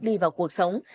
đi vào cuộc sống